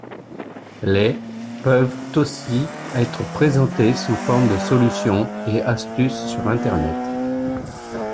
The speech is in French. Les peuvent aussi être présentés sous forme de solutions et astuces sur Internet.